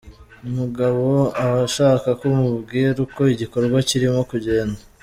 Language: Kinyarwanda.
Umugabo aba ashaka ko umubwira uko igikorwa kirimo kugenda.